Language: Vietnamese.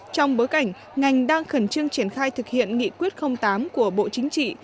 trong bối cảnh ngành đang khẩn trương triển khai thực hiện nghị quyết tám của bộ chính trị